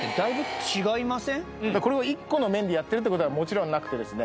これを１個の麺でやってるってことはもちろんなくてですね